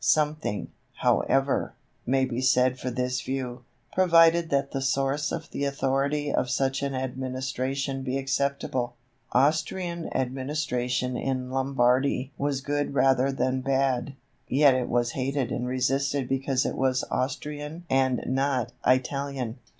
Something, however, may be said for this view, provided that the source of the authority of such an administration be acceptable. Austrian administration in Lombardy was good rather than bad, yet it was hated and resisted because it was Austrian and not Italian.